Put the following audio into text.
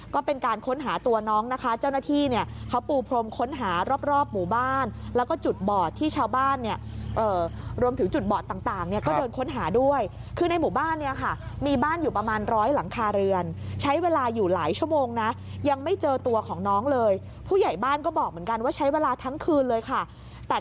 ก็เป็นการค้นหาตัวน้องนะคะเจ้าหน้าที่เนี่ยเขาปูพรมค้นหารอบหมู่บ้านแล้วก็จุดบอดที่ชาวบ้านเนี่ยรวมถึงจุดบอดต่างเนี่ยก็เดินค้นหาด้วยคือในหมู่บ้านเนี่ยค่ะมีบ้านอยู่ประมาณร้อยหลังคาเรือนใช้เวลาอยู่หลายชั่วโมงนะยังไม่เจอตัวของน้องเลยผู้ใหญ่บ้านก็บอกเหมือนกันว่าใช้เวลาทั้งคืนเลยค่ะแต่